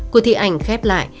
cuộc thị ảnh khép lại